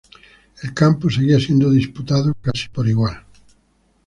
El campo seguía siendo disputado casi por igual.